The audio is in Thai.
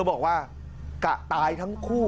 บอกว่ากะตายทั้งคู่